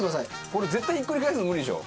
これ絶対ひっくり返すの無理でしょ。